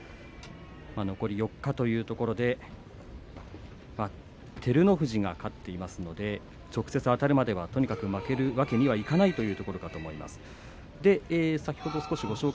残り４日というところで照ノ富士が勝っていますので直接あたるまでは負けるわけにはいかないという貴景勝です。